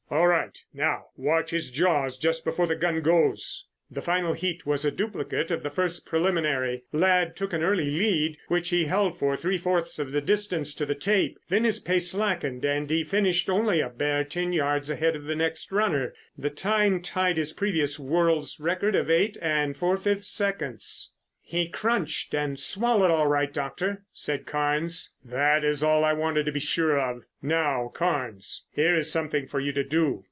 "All right, now watch his jaws just before the gun goes." The final heat was a duplicate of the first preliminary. Ladd took an early lead which he held for three fourths of the distance to the tape, then his pace slackened and he finished only a bare ten yards ahead of the next runner. The time tied his previous world's record of eight and four fifths seconds. "He crunched and swallowed all right, Doctor," said Carnes. "That is all I wanted to be sure of. Now Carnes, here is something for you to do.